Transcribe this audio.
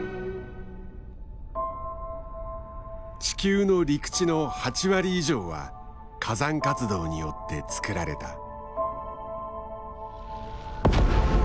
地球の陸地の８割以上は火山活動によってつくられた。